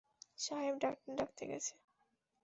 সাহেব-ডাক্তার ডাকতে গেছে।